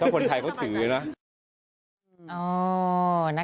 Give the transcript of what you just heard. คนไทยเขาถือยังว่า